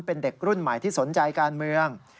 เป็นเด็กรุ่นใหม่ที่สนใจการเมือง